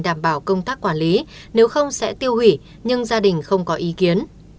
đảm bảo công tác quản lý nếu không sẽ tiêu hủy nhưng gia đình không có ý kiến